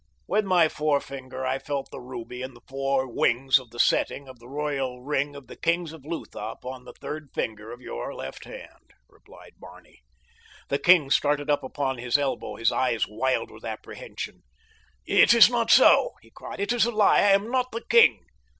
"With my forefinger I felt the ruby and the four wings of the setting of the royal ring of the kings of Lutha upon the third finger of your left hand," replied Barney. The king started up upon his elbow, his eyes wild with apprehension. "It is not so," he cried. "It is a lie! I am not the king."